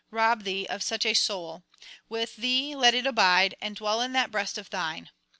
rob thee of such a soul; with thee let it abide, and dwell in that breast of thine.